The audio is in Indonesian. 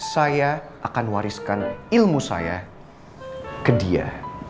saya akan wariskan ilmu saya ke dia